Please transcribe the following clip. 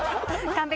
完璧！